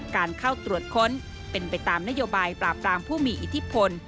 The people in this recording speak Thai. การเข้าตรวจค้นเป็นไปตามนโยบายปราบปรามผู้มีอิทธิพล